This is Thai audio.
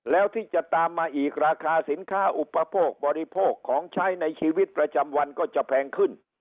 แล้วที่จะตามมาอีกราคาสินค้าอุปโภคบริโภคของใช้ในชีวิตประจำวันก็จะแพงขึ้น